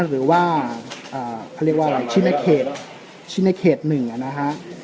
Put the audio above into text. หรือว่าเขาเรียกว่าอะไรชินเขตชินเขตหนึ่งนะฮะ